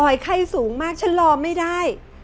ไข้สูงมากฉันรอไม่ได้